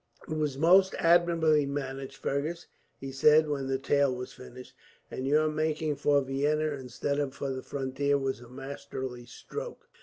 "It was most admirably managed, Fergus," he said, when the tale was finished; "and your making for Vienna, instead of for the frontier, was a masterly stroke.